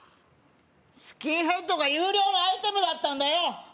スキンヘッドが有料のアイテムだったんだよ！